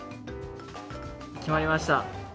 決まりました。